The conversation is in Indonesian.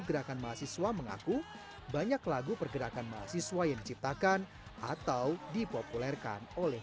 gerakan mahasiswa mengaku banyak lagu pergerakan mahasiswa yang diciptakan atau dipopulerkan oleh